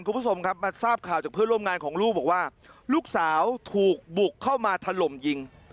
คุณผู้ชมครับมาทราบข่าวจากเพื่อนร่วมงานของลูกบอกว่าลูกสาวถูกบุกเข้ามาถล่มยิง